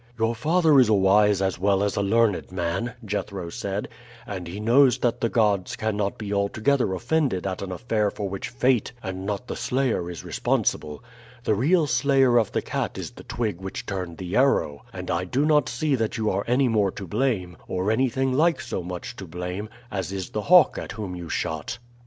"Your father is a wise as well as a learned man," Jethro said: "and he knows that the gods cannot be altogether offended at an affair for which fate and not the slayer is responsible. The real slayer of the cat is the twig which turned the arrow, and I do not see that you are any more to blame, or anything like so much to blame, as is the hawk at whom you shot."